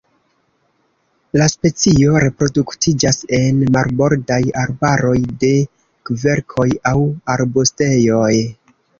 La specio reproduktiĝas en marbordaj arbaroj de kverkoj aŭ arbustejoj.